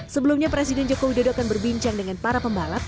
sebelumnya presiden joko widodo akan berbincang dengan para pembalap